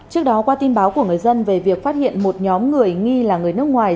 trước đó qua tin báo của người dân về việc phát hiện một nhóm người nghi là người nước ngoài